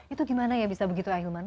itu gimana ya bisa begitu ya hilman